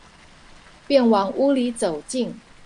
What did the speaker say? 便往屋裡走進